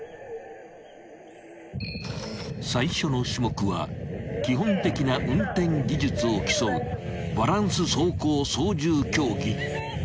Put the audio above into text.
［最初の種目は基本的な運転技術を競うバランス走行操縦競技］